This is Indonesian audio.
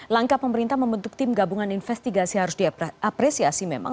langkah pemerintah membentuk tim gabungan investigasi harus diapresiasi memang